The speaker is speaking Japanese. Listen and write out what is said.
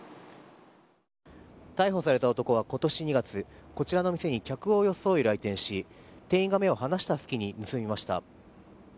逮捕された男は今年２月こちらの店に客を装い、来店し店員が目を離した隙に盗みました。